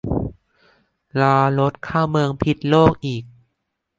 รอรถเข้าเมืองพิดโลกอีก